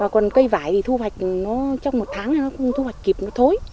còn cây vải thì thu hoạch trong một tháng thì nó không thu hoạch kịp nó thối